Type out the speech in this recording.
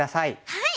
はい！